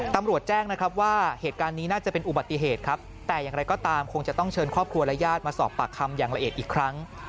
ตำรวจแจ้งนะครับว่าเหตุการณ์นี้น่าจะเป็นอุบัติเหตุครับแต่อย่างไรก็ตามคงจะต้องเชิญครอบครัวและญาติมาสอบปากคำอย่างละเอียดอีกครั้ง